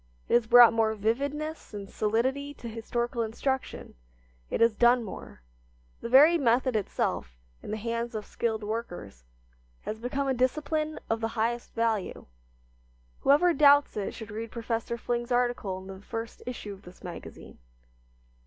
It has brought more vividness and solidity to historical instruction. It has done more. The very method itself, in the hands of skilled workers, has become a discipline of the highest value. Whoever doubts it should read Professor Fling's article in the first issue of this magazine.